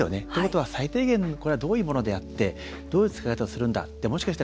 ということは最低限、これはどういうものはあってどういう使い方をするんだ